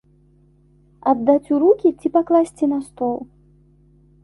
Аддаць у рукі ці пакласці на стол?